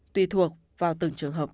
tùy thuộc vào từng trường hợp